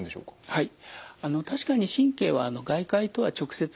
はい。